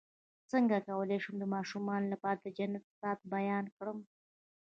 څنګه کولی شم د ماشومانو لپاره د جنت ساعت بیان کړم